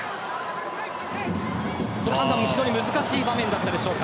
この判断も非常に難しい場面だったでしょうか。